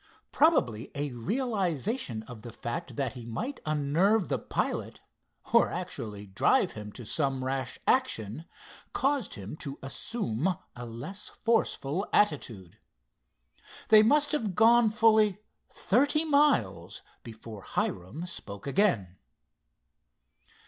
Probably a realization of the fact that he might unnerve the pilot, or actually drive him to some rash action, caused him to assume a less forceful attitude. They must have gone fully thirty miles before Hiram spoke again.